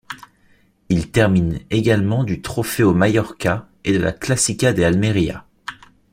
Il termine également du Trofeo Mallorca et de la Clásica de Almería.